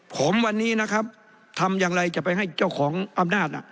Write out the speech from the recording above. ผมวันนี้นะครับทำอย่างไรจะไปให้เจ้าของอำนาจ